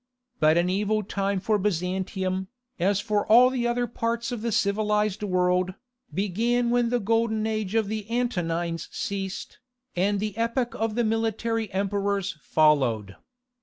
But an evil time for Byzantium, as for all the other parts of the civilized world, began when the golden age of the Antonines ceased, and the epoch of the military emperors followed.